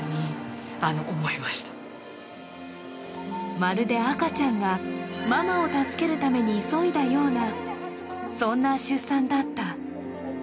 まるで赤ちゃんがママを助けるために急いだような、そんな出産だった。